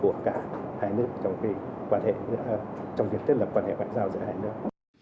những thành tiệu mới của hai nước đã được phát triển và được phát triển vào các phương châm